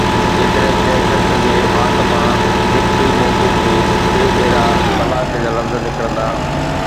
جيڪڏهن ڪنهن شخص جي وات مان هڪ ئي موقعي تي ٽي ڀيرا طلاق جا لفظ نڪرندا